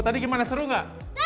tuh tadi gimana seru nggak